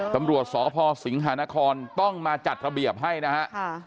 ตำรวจสพสิงหานครต้องมาจัดระเบียบให้นะฮะ